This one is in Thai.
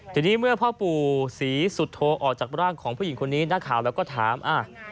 ทีนี้เมื่อพ่อปู่ศรีสุโธออกจากร่างของผู้หญิงคนนี้นักข่าวแล้วก็ถาม